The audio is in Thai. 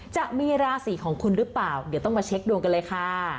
จะมีราศีของคุณหรือเปล่าเดี๋ยวต้องมาเช็คดวงกันเลยค่ะ